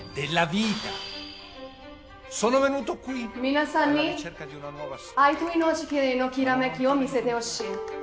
皆さんに愛と命のきらめきを見せてほしい。